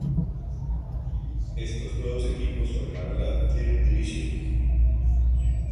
Estos nuevos equipos formaron la Third Division.